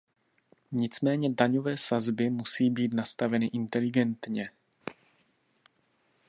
Nicméně daňové sazby musí být nastaveny inteligentně.